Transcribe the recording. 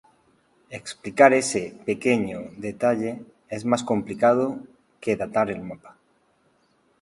Explicar ese "pequeño" detalle es más complicado que datar el mapa.